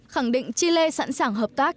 khẳng định chile sẵn sàng hợp tác